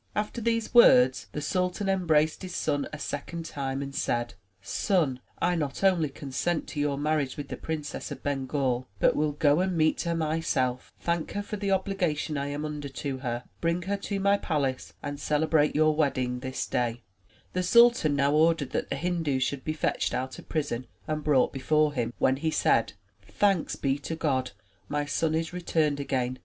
After these words the sultan embraced his son a second time and said: Son, I not only consent to your marriage with the Princess of Bengal, but will go and meet her myself, thank her for the obligation I am under to her, bring her to my palace and celebrate your wedding this day/' The sultan now ordered that the Hindu should be fetched out of prison and brought before him, when he said: "Thanks be to God, my son is returned again.